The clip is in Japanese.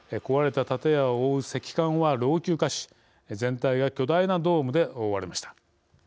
壊れた建屋を覆う石棺は老朽化し全体が巨大なドームで覆われました。